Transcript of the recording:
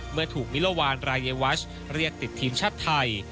เมื่อถูกมิลวานรายวัชเรียกติดทีมชาติไทย